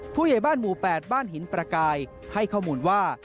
ผู้ใหญ่บ้านหมู่๘บ้านหินประกายให้ข้อมูลว่า